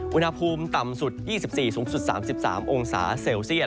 อุณหภูมิต่ำสุด๒๔สูงสุด๓๓องศาเซลเซียต